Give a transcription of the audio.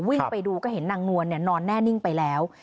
วิ่งไปดูก็เห็นนางนวลนอนแน่นิ่งไปแล้ว